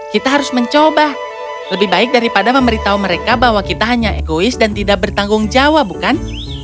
kita harus mencoba lebih baik daripada memberitahu mereka bahwa kita hanya egois dan tidak bertanggung jawab bukan